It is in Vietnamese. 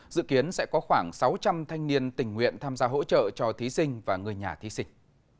dự kiến sẽ có khoảng sáu trăm linh thanh niên tình nguyện tham gia hỗ trợ cho thí sinh và người nhà thí sinh